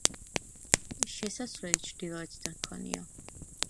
შესასვლელი ჩრდილოეთიდან ჰქონია.